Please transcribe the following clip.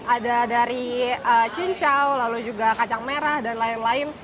ada dari cincau lalu juga kacang merah dan lain lain